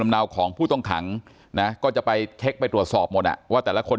เนาของผู้ต้องขังนะก็จะไปเช็คไปตรวจสอบหมดอ่ะว่าแต่ละคน